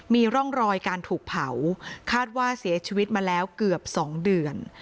มีร่องรอยการถูกเผาคาดว่าเสียชีวิตมาแล้วเกือบ๒เดือน